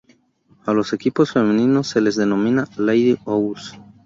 A los equipos femeninos se les denomina "Lady Owls".